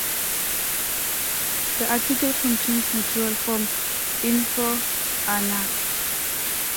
"The article contains material from InfoAnarchy"